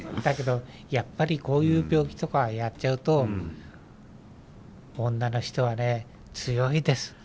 だけどやっぱりこういう病気とかやっちゃうと女の人はね強いです。